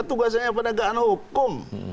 tugasnya penegakan hukum